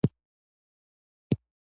کېله د حافظې زوال مخنیوی کوي.